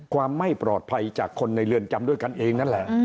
ความไม่ปลอดภัยจากคนในเรือนจำด้วยกันเองนั่นแหละ